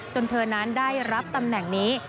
เธอนั้นได้รับตำแหน่งนี้